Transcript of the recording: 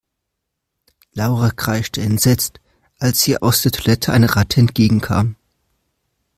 Laura kreischte entsetzt, als ihr aus der Toilette eine Ratte entgegenkam.